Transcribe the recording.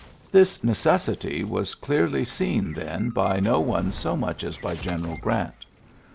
This necessity was dearly seen then by no one so much as )y General Grant.